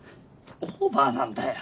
オーバーなんだよ。